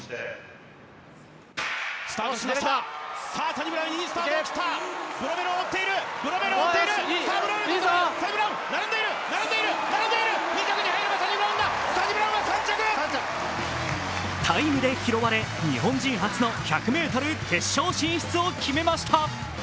タイムで拾われ日本人初の１００ｍ決勝進出を決めました。